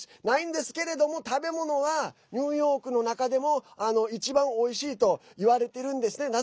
ないんですけれども、食べ物はニューヨークの中でも一番おいしいと言われてるんですね。